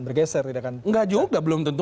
bergeser nggak juga belum tentu